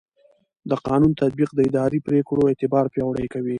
د قانون تطبیق د اداري پرېکړو اعتبار پیاوړی کوي.